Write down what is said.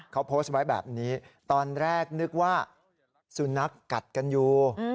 เขาโพสต์ไว้แบบนี้ตอนแรกนึกว่าสุนัขกัดกันอยู่